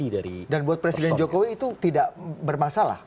dan buat presiden jokowi itu tidak bermasalah